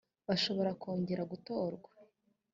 bashobora kongera gutorwa .